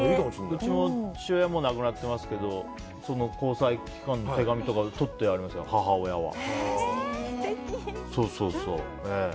うちの父親ももう亡くなっていますけど交際期間の手紙とかとってあるんですよ、母親は。